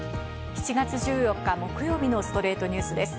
７月１４日、木曜日の『ストレイトニュース』です。